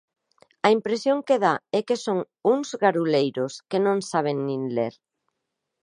A impresión que dá é que son uns garuleiros que non saben nin ler.